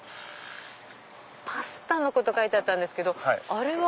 パスタのこと書いてあったんですあれは？